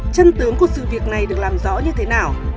chân tướng của sự việc này được làm rõ như thế nào